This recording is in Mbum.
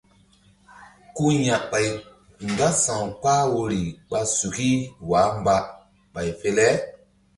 Ku ya̧ ɓay mgbása̧w kpah woyri ɓa suki wah mba ɓay fe le.